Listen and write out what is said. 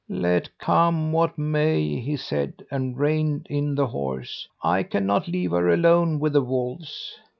"'Let come what may,' he said, and reined in the horse, 'I cannot leave her alone with the wolves!'